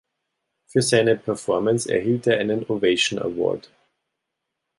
Für seine Performance erhielt er einen Ovation-Award.